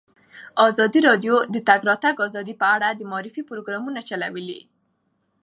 ازادي راډیو د د تګ راتګ ازادي په اړه د معارفې پروګرامونه چلولي.